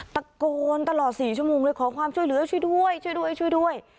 ตะโกนตลอด๔ชั่วโมงเลยขอความช่วยเหลือช่วยด้วยช่วยด้วยช่วยด้วย